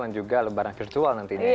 dan juga lebaran virtual nanti